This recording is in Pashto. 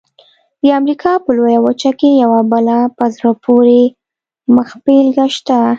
د امریکا په لویه وچه کې یوه بله په زړه پورې مخبېلګه شته.